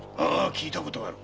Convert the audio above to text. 聞いたことがある。